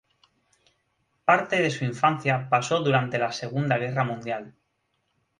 Parte de su infancia pasó durante la Segunda Guerra Mundial.